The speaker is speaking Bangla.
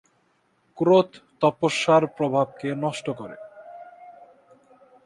ক্রোধ তপস্যার প্রভাবকে নষ্ট করে।